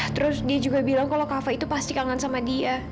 terus dia juga bilang kalau kafe itu pasti kangen sama dia